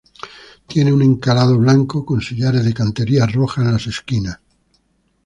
Tiene un encalado blanco, con sillares de cantería roja en las esquinas.